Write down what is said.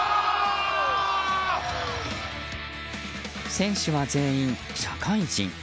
選手は全員、社会人。